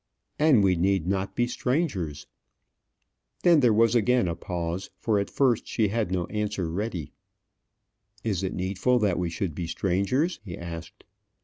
"And we need not be strangers?" Then there was again a pause; for at first she had no answer ready. "Is it needful that we should be strangers?" he asked.